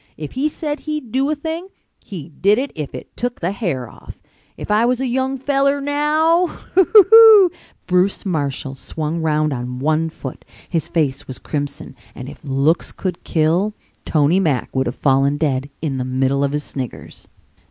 If he said he'd do a thing he did it if it tuck the hair off. If I was a young feller now! Hee tee tee hee e e e!" Bruce Marshall swung round on one foot. His face was crimson and if looks could kill, Tony Mack would have fallen dead in the middle of his sniggers.